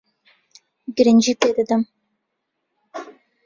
گرنگی پێ دەدەم.